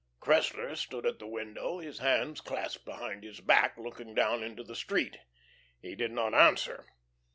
Cressler stood at the window, his hands clasped behind his back, looking down into the street. He did not answer.